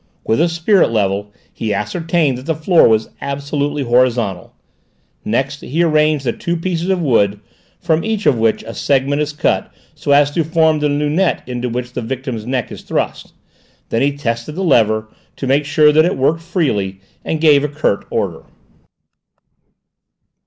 With a spirit level he ascertained that the floor was absolutely horizontal; next he arranged the two pieces of wood, from each of which a segment is cut so as to form the lunette into which the victim's neck is thrust; then he tested the lever, to make sure that it worked freely, and gave a curt order.